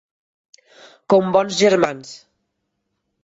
Com bons germans.